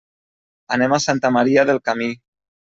Anem a Santa Maria del Camí.